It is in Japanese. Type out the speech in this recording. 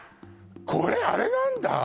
これあれなんだ？